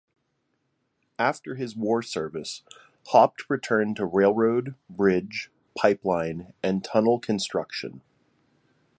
After his war service, Haupt returned to railroad, bridge, pipeline, and tunnel construction.